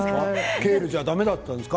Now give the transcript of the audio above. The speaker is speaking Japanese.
ケールじゃだめだったんですか。